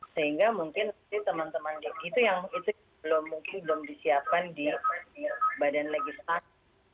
sehingga mungkin teman teman itu yang belum mungkin belum disiapkan di badan legislasi